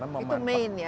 itu main ya